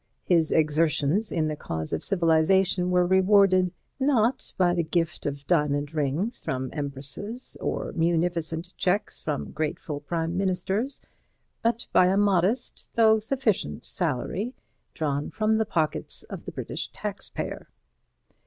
His exertions in the cause of civilization were rewarded, not by the gift of diamond rings from empresses or munificent cheques from grateful Prime Ministers, but by a modest, though sufficient, salary, drawn from the pockets of the British taxpayer.